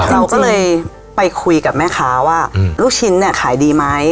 เราก็เลยไปคุยกับแม่ค้าว่าลูกชิ้นเนี่ยขายดีไหม